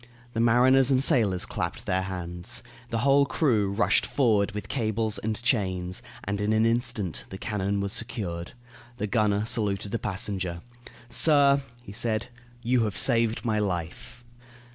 The mariners and sailors clapped their hands. The whole crew rushed forward with cables and chains, and in an instant the cannon was secured. The gunner saluted the passenger. "Sir," he said, "you have saved my life."